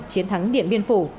chiến thắng điện biên phủ